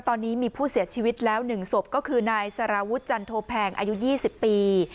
ตอนนี้มีผู้เสียชีวิตแล้ว๑ศพก็คือนายสารวุฒิจันโทแพงอายุ๒๐ปี